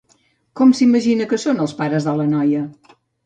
Com s'imagina que són els pares de la noia?